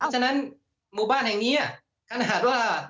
ฉะนั้นหมู่บ้านแห่งนี้ขนาดว่า